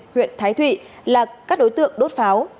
huyện thái thụy là các đối tượng đốt pháo